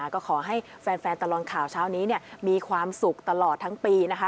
ก็ขอให้แฟนตลอดข่าวเช้านี้มีความสุขตลอดทั้งปีนะคะ